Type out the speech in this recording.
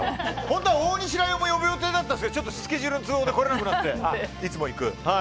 本当は大西ライオンも呼ぶ予定だったんですけどちょっとスケジュールの都合で来れなくなって。